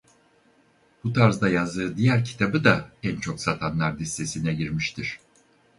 Bu tarzda yazdığı diğer kitabı da en çok satanlar listesine girmiştir.